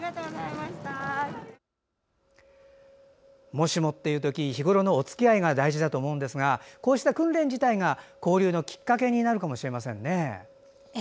もしもっていう時日ごろのおつきあいが大事だと思うんですがこうした訓練自体が交流のきっかけになるかもしれませんね。